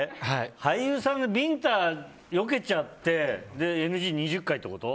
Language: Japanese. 俳優さんがビンタよけちゃってＮＧ２０回ってこと？